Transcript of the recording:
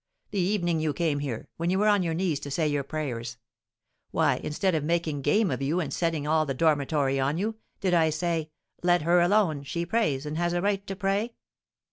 The evening you came here, when you were on your knees to say your prayers, why, instead of making game of you, and setting all the dormitory on you, did I say, 'Let her alone; she prays, and has a right to pray?'